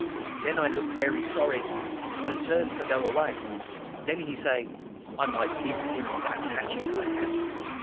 "Den I look berry sorry, and turn for go away. "Den he say I might gib him dat hatchet I had.